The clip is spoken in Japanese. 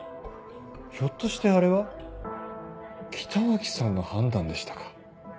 ひょっとしてあれは北脇さんの判断でしたか？